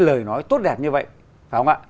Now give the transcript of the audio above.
lời nói tốt đẹp như vậy phải không ạ